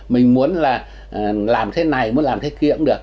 mình muốn là làm thế này muốn làm thế kia cũng được